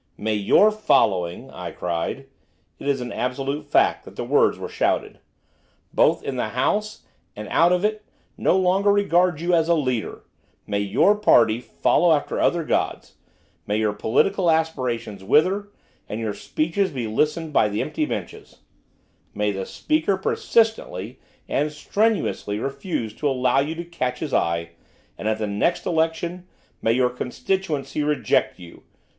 'May your following,' I cried, it is an absolute fact that the words were shouted! 'both in the House and out of it, no longer regard you as a leader! May your party follow after other gods! May your political aspirations wither, and your speeches be listened to by empty benches! May the Speaker persistently and strenuously refuse to allow you to catch his eye, and, at the next election, may your constituency reject you!